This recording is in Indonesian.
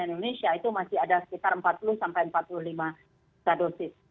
indonesia itu masih ada sekitar empat puluh sampai empat puluh lima juta dosis